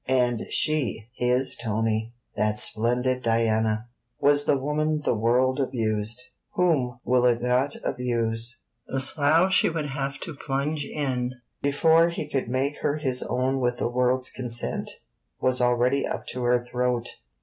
And she, his Tony, that splendid Diana, was the woman the world abused! Whom will it not abuse? The slough she would have to plunge in before he could make her his own with the world's consent, was already up to her throat.